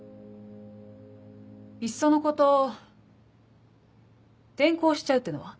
いっそのこと転校しちゃうってのは？